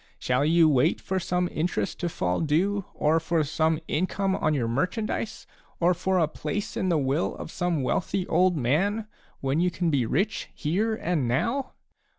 Shall you wait for some interest to fall due, or for some income on your merchandise, or for a place in the will of some wealthy old man, when you can be rich here and now